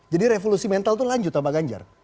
revolusi mental itu lanjut pak ganjar